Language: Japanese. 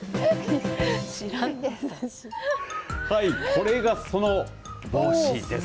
これがその帽子です。